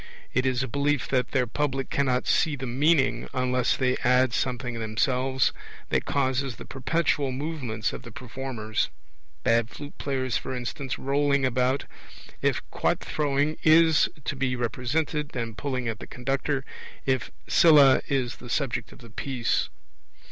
It is a belief that their public cannot see the meaning, unless they add something themselves, that causes the perpetual movements of the performers bad flute players, for instance, rolling about, if quoit throwing is to be represented, and pulling at the conductor, if Scylla is the subject of the piece.